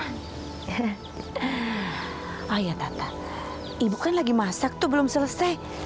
ah ya tata ibu kan lagi masak tuh belum selesai